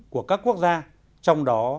của các quốc gia trong đó